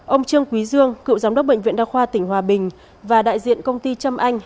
ông trương quý dương cựu giám đốc bệnh viện đa khoa tỉnh hòa bình và đại diện công ty trâm anh